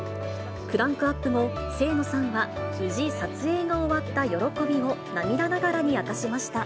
クランクアップ後、清野さんは無事撮影が終わった喜びを涙ながらに明かしました。